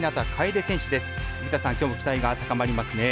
生田さん、きょうも期待が高まりますね。